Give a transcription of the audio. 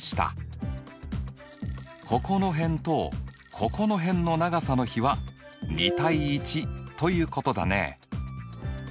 ここの辺とここの辺の長さの比は２：１ということだね。